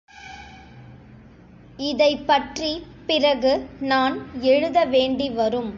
இதைப்பற்றிப் பிறகு நான் எழுத வேண்டி வரும்.